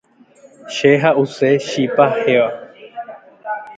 Che ha’use chipa héva.